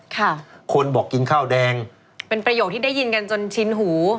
ค่ะคนบอกกินข้าวแดงเป็นประโยคที่ได้ยินกันจนชินหู